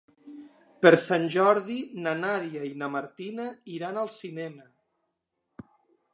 Per Sant Jordi na Nàdia i na Martina iran al cinema.